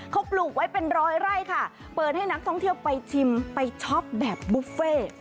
เขาปลูกไว้เป็นร้อยไร่ค่ะเปิดให้นักท่องเที่ยวไปชิมไปช็อปแบบบุฟเฟ่